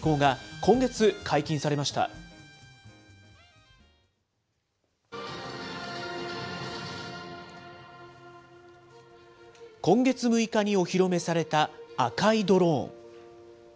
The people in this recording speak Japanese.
今月６日にお披露目された赤いドローン。